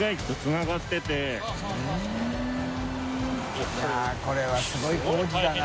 いやこれはすごい工事だな。